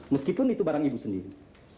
meskipun itu barang ibu sendiri